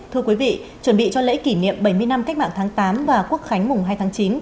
thưa quý vị chuẩn bị cho lễ kỷ niệm bảy mươi năm cách mạng tháng tám và quốc khánh mùng hai tháng chín